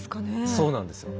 そうなんですよ。